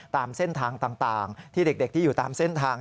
ตามเส้นทางต่างที่เด็กที่อยู่ตามเส้นทาง